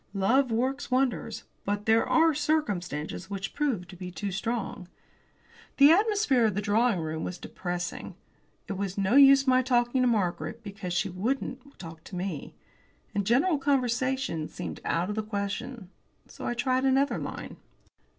Love works wonders. But there are circumstances which prove too strong. The atmosphere of the drawing room was depressing. It was no use my talking to Margaret, because she wouldn't talk to me. And general conversation seemed out of the question. So I tried another line.